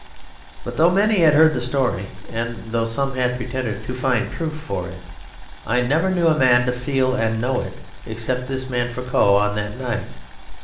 But though many had heard the story, and though some had pretended to find proof for it, I never knew a man to feel and know it except this man Frocot on that night.